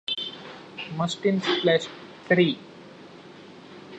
"Mustin" splashed three.